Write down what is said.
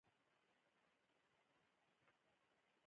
خونې کوچنۍ خو ښکلې وې.